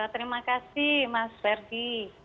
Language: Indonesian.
terima kasih mas ferdi